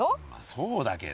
そうだけど。